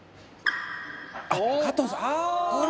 「あっ加藤さん！ああ」